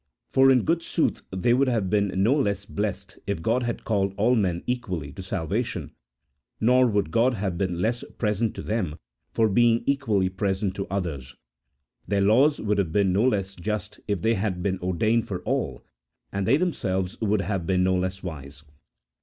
For in good sooth they would have been no less blessed if God had called all men equally to salvation, nor would God have been less present to them for being equally pre sent to others ; their laws would have been no less just if they had been ordained for all, and they themselves would have been no less wise.